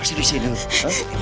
kayaknya ini udah udah berakhir